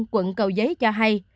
quận cầu giấy cho hay